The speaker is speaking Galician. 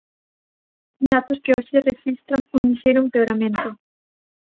Datos que hoxe rexistran un lixeiro empeoramento.